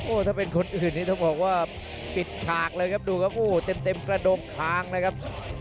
ถ้าเป็นคนอื่นนี่ต้องบอกว่าปิดฉากเลยครับดูครับโอ้โหเต็มกระดงคางเลยครับ